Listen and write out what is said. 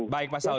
baik mas sahut